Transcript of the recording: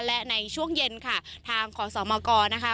และในช่วงเย็นค่ะทางขอสมกรนะคะ